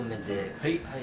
はい。